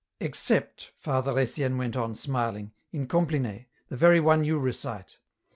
"Except," Father Etienne went on, smiling, "in Com pline, the very one you recite.